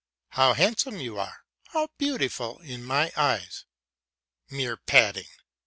("How handsome you are, how beautiful in my eyes!") Mere padding.